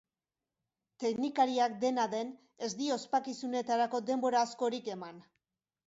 Teknikariak, dena den, ez die ospakizunetarako denbora askorik eman.